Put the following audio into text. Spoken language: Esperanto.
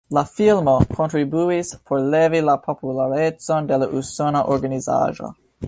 La filmo kontribuis por levi la popularecon de la usona organizaĵo.